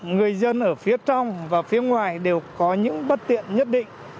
người dân ở phía trong và phía ngoài đều có những bất tiện nhất định